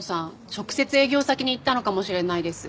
直接営業先に行ったのかもしれないです。